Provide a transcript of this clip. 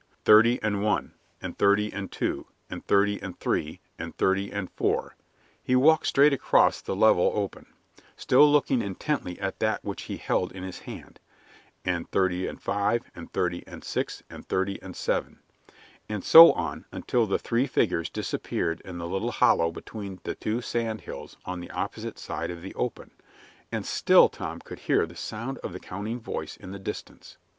"Thirty and one, and thirty and two, and thirty and three, and thirty and four" he walked straight across the level open, still looking intently at that which he held in his hand "and thirty and five, and thirty and six, and thirty and seven," and so on, until the three figures disappeared in the little hollow between the two sand hills on the opposite side of the open, and still Tom could hear the sound of the counting voice in the distance.